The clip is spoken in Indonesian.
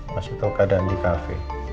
masih tau keadaan di cafe